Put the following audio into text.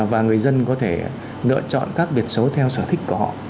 và người dân có thể lựa chọn các biệt số theo sở thích của họ